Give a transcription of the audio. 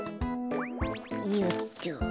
よっと。